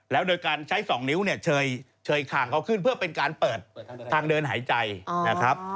แล้วโดยการใช้๒นิ้วเนี่ยเชยคางเขาขึ้นเพื่อเป็นการเปิดทางเดินหายใจนะครับ